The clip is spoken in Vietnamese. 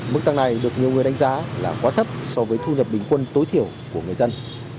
mức tăng này được nhiều người đánh giá là quá thấp so với thu nhập bình quân tối thiểu của người dân